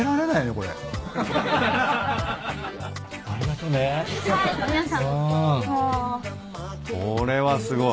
これはすごい。